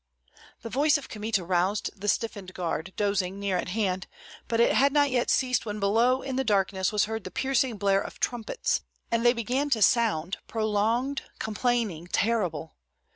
The voice of Kmita roused the stiffened guards, dozing near at hand; but it had not yet ceased when below in the darkness was heard the piercing blare of trumpets, and they began to sound, prolonged, complaining, terrible.